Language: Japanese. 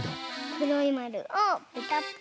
くろいまるをペタッと。